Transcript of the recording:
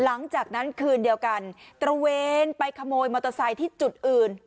หลังจากนั้นคืนเดียวกันตระเวนไปขโมยมอเตอร์ไซค์ที่จุดอื่น